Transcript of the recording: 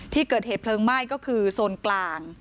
ที่เกิดเหตุเพลิงไหม้ก็คือโซนกลาง